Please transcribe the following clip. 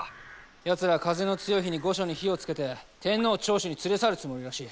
やつら風の強い日に御所に火をつけて天皇を長州に連れ去るつもりらしい。